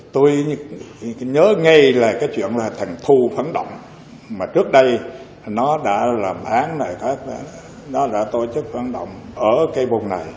tôi nhớ ngay là cái chuyện là thằng thu phản động mà trước đây nó đã làm án này nó đã tổ chức phản động ở cây bồn này